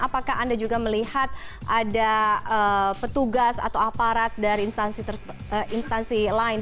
apakah anda juga melihat ada petugas atau aparat dari instansi lain